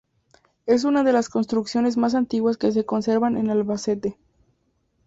Es una de las construcciones más antiguas que se conservan en Albacete.